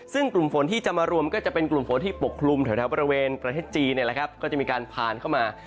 ซึ่งกลุ่มฝนที่จะมารวมก็จะเป็นกลุ่มฝนที่ปกคลุมแถวบริเวณประเทศจีนก็จะมีการผ่านเข้ามา